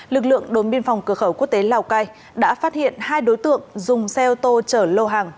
lực lượng đốn biên phòng cửa khẩu quốc tế lào cai đã phát hiện hai đối tượng dùng xe ô tô chở lô hàng